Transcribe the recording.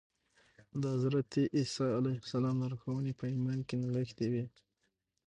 د حضرت عيسی عليه السلام لارښوونې په ايمان کې نغښتې وې.